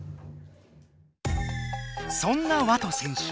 そんなＷＡＴＯ選手